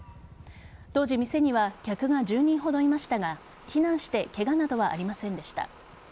当時、店には客が１０人ほどいましたが避難してケガなどはありませんでした。